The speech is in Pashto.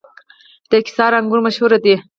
د قیصار انګور مشهور دي